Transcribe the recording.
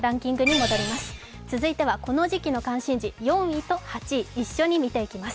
続いては、この時期の関心事、４位と８位、一緒に見ていきます